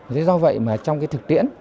thế do vậy mà trong cái thực tiễn